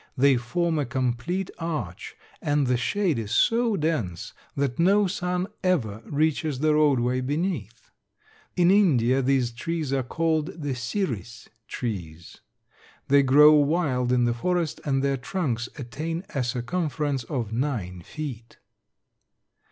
They form a complete arch and the shade is so dense that no sun ever reaches the roadway beneath. In India these trees are called the Siris trees. They grow wild in the forest and their trunks attain a circumference of nine feet.